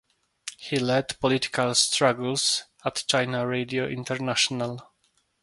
He led political struggles at China Radio International.